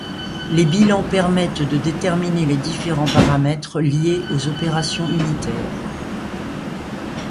Les bilans permettent de déterminer les différents paramètres liés aux opérations unitaires.